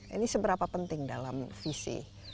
ini seberapa penting dalam visi pt fi